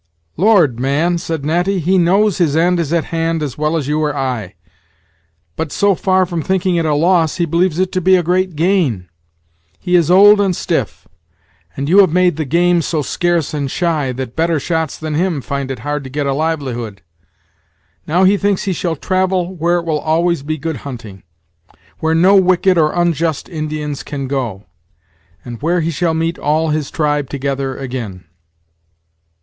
"Lord!! man," said Natty, "he knows his end is at hand as well as you or I; but, so far from thinking it a loss, he believes it to be a great gain. He is old and stiff, and you have made the game so scarce and shy, that better shots than him find it hard to get a livelihood. Now he thinks he shall travel where it will always be good hunting; Where no wicked or unjust Indians can go; and where he shall meet all his tribe together agin.